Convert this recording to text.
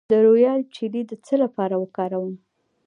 د رویال جیلی د څه لپاره وکاروم؟